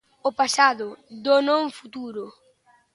O pasado do non futuro.